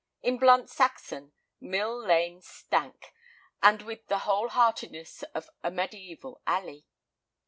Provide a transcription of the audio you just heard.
In blunt Saxon, Mill Lane stank, and with the whole heartedness of a mediæval alley.